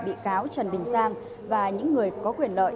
bị cáo trần đình giang và những người có quyền lợi